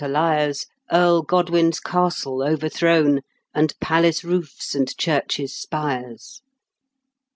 Earl Godwin's castle overthrown, And palace roofs and churches' spires.